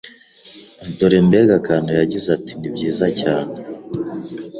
Dore mbega akantu yagize ati nibyiza cyane